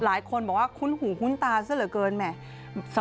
หลายคนบอกว่าคุ้นหูคุ้นตาซะเหลือเกินแหม